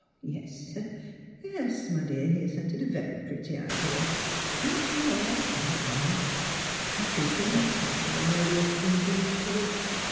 *' Yes, yes; my dear," he assented, ''"a very pretty idea ; and you are quite right ; I think' we may count on an earlier spring than usual.